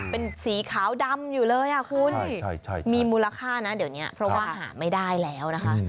เป็นสีขาวดำอยู่เลยคุณมีมูลค่านี้เพราะที่ไม่ได้หาแล้วนะคะ